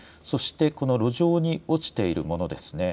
この路上に落ちているものですね。